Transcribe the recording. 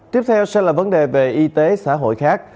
tiếp theo sẽ là vấn đề về y tế xã hội khác